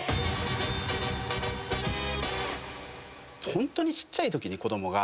ホントにちっちゃいとき子供が。